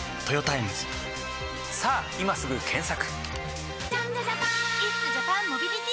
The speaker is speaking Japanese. さぁ今すぐ検索！